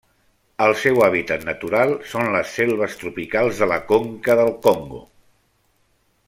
El seu hàbitat natural són les selves tropicals de la conca del Congo.